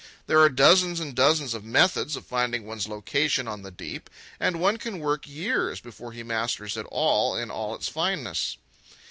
There are dozens and dozens of methods of finding one's location on the deep, and one can work years before he masters it all in all its fineness.